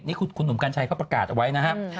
นี่คุณหนุ่มกัญชัยเขาประกาศเอาไว้นะครับ